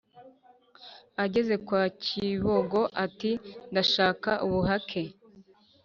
ageze kwa kibogo ati: “ndashaka ubuhake.”